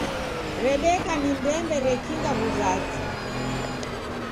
Redeka ni ndembe rekinga w'uzazi